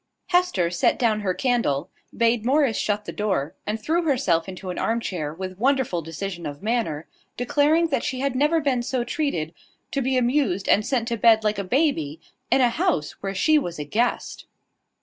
Hester set down her candle, bade Morris shut the door, and threw herself into an armchair with wonderful decision of manner, declaring that she had never been so treated; to be amused and sent to bed like a baby, in a house where she was a guest!